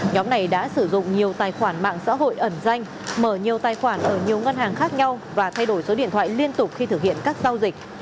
nhóm này đã sử dụng nhiều tài khoản mạng xã hội ẩn danh mở nhiều tài khoản ở nhiều ngân hàng khác nhau và thay đổi số điện thoại liên tục khi thực hiện các giao dịch